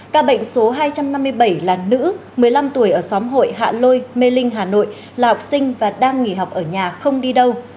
ca bệnh số hai trăm năm mươi bảy là nữ một mươi năm tuổi ở xóm hội hạ lôi mê linh hà nội là học sinh và đang nghỉ học ở nhà không đi đâu